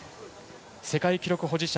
世界記録保持者